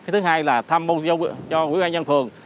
thứ hai là tham mưu cho quỹ an nhân phường